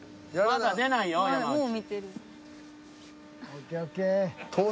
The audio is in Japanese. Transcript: まだ出ないよ山内。